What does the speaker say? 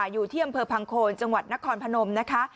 อยู่ที่อำเภอพังโคนจังหวัดนครพนมนะคะ